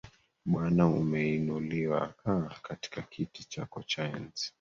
Bwana Umeinuliwa aah, katika kiti chako cha enzi